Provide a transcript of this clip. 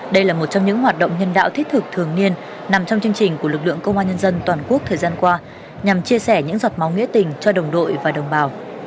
đây là một trong những hoạt động nhân đạo thiết thực thường niên nằm trong chương trình của lực lượng công an nhân dân toàn quốc thời gian qua nhằm chia sẻ những giọt máu nghĩa tình cho đồng đội và đồng bào